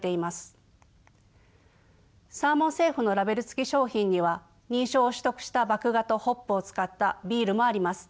サーモン・セーフのラベル付き商品には認証を取得した麦芽とホップを使ったビールもあります。